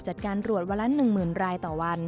จัดการรวดวัลันหนึ่งหมื่นรายต่อวัน